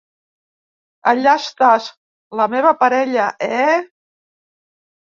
Allà estàs, la meva parella, eh?